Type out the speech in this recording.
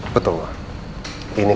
kau bisa lihat